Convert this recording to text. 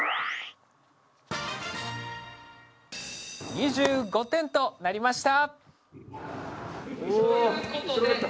２５点となりました！